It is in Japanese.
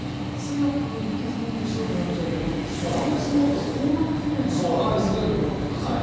強くむきすぎると白くなっちゃうけど軽くやるとこんなにきれいな淡い緑が残ってますね。